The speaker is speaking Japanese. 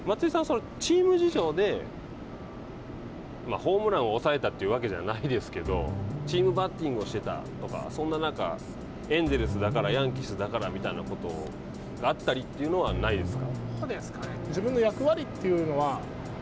松井さん、そのチーム事情でホームランを抑えたというわけじゃないですけど、チームバッティングをしていたとかそんな中エンジェルスだから、ヤンキースだからみたいなこと、あったりというのはないですか。